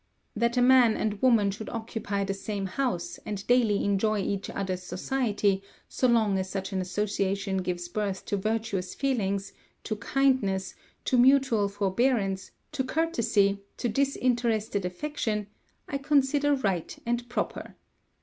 "That a man and woman should occupy the same house, and daily enjoy each other's society, so long as such an association gives birth to virtuous feelings, to kindness, to mutual forbearance, to courtesy, to disinterested affection, I consider right and proper.